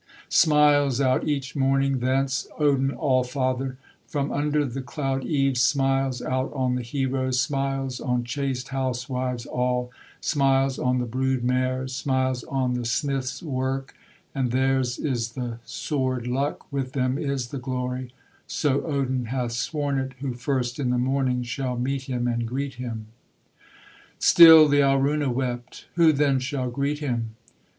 Smiles out each morning thence Odin Allfather; From under the cloud eaves Smiles out on the heroes, Smiles on chaste housewives all, Smiles on the brood mares, Smiles on the smiths' work: And theirs is the sword luck, With them is the glory, So Odin hath sworn it, Who first in the morning Shall meet him and greet him.' Still the Alruna wept: 'Who then shall greet him?